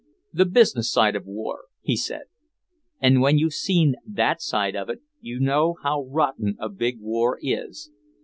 "The business side of war," he said. "And when you've seen that side of it you know how rotten a big war is!